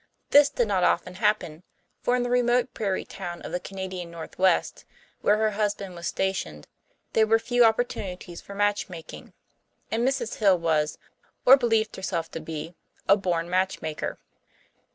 This did not often happen, for in the remote prairie town of the Canadian Northwest, where her husband was stationed, there were few opportunities for match making. And Mrs. Hill was or believed herself to be a born matchmaker.